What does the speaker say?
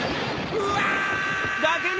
うわ！